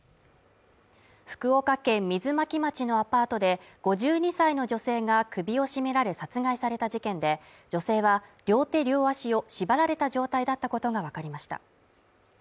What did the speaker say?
福岡県水巻町のアパートで５２歳の女性が首を絞められ殺害された事件で、女性は両手両足を縛られた状態だったことがわかりました。